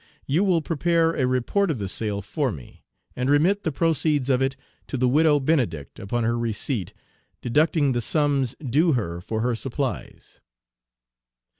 You will prepare a report of the sale for me, and remit the proceeds of it to the Widow Benedict upon her receipt, deducting the sums due her for her supplies."